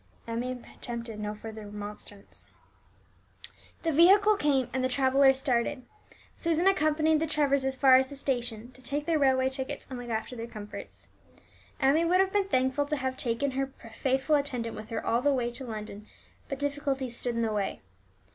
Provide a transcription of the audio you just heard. Emmie attempted no further remonstrance. The vehicle came, and the travellers started. Susan accompanied the Trevors as far as the station, to take their railway tickets, and look after their comforts. Emmie would have been thankful to have taken her faithful attendant with her all the way to London, but difficulties stood in the way.